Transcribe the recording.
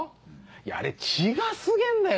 あれ血がすげぇんだよ